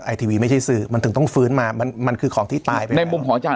ทีวีไม่ใช่สื่อมันถึงต้องฟื้นมามันมันคือของที่ตายไปในมุมของอาจารย